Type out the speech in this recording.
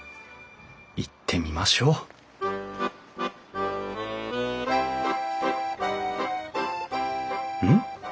行ってみましょううん？